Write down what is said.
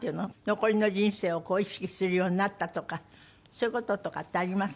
残りの人生をこう意識するようになったとかそういう事とかってあります？